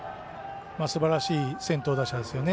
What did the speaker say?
すばらしい先頭打者ですよね。